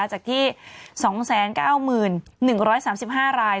จากที่๒๙๑๓๕ราย